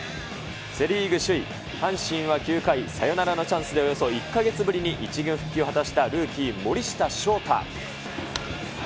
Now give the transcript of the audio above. セ・リーグ首位、阪神は９回、サヨナラのチャンスでおよそ１か月ぶりに１軍復帰を果たしたルーキー、森下翔太。